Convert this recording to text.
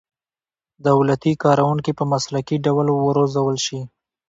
دولتي کارکوونکي په مسلکي ډول وروزل شي.